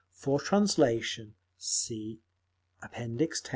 For translation see Appendix 3.